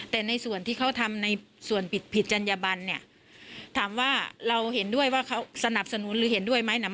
แต่ในส่วนที่เขาทำในส่วนผิดผิดจัญญบันเนี่ยถามว่าเราเห็นด้วยว่าเขาสนับสนุนหรือเห็นด้วยไหมเนี่ย